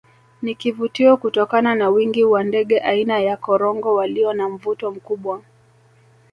Ni kivutio kutokana na wingi wa ndege aina ya korongo walio na mvuto mkubwa